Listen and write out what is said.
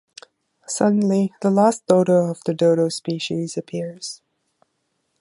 Suddenly, the last dodo of the dodo species appears.